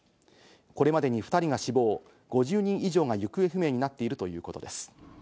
これまでに２人が死亡、５０人以上が行方不明になっているということです。